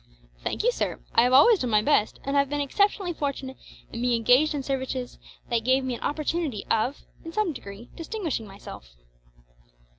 "Thank you, sir. I have always done my best, and been exceptionally fortunate in being engaged in services that gave me an opportunity of, in some degree, distinguishing myself."